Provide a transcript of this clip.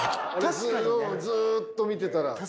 ずっと見てたら。